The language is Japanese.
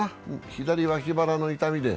左脇腹の痛みで。